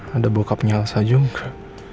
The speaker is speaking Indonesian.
ada bokapnya elsa juga